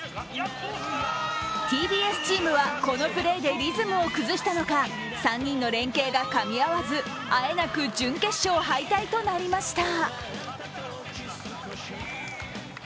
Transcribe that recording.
ＴＢＳチームはこのプレーでリズムを崩したのか３人の連係がかみ合わずあえなく準決勝敗退となりました。